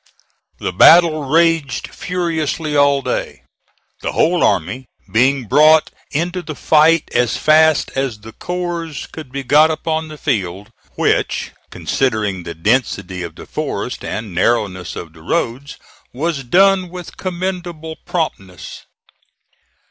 The battle raged furiously all day, the whole army being brought into the fight as fast as the corps could be got upon the field, which, considering the density of the forest and narrowness of the roads, was done with commendable promptness.